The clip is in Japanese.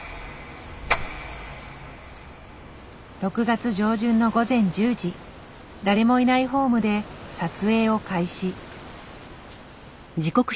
６月上旬の午前１０時誰もいないホームで撮影を開始。